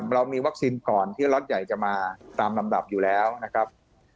เรามีวัคซีนก่อนที่ล็อตใหญ่จะมาตามลำดับอยู่แล้วนะครับ